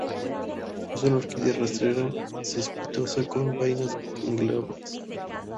Es una orquídea rastrera cespitosa con vainas glabras.